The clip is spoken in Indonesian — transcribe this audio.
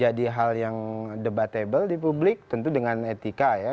jadi hal yang debatable di publik tentu dengan etika ya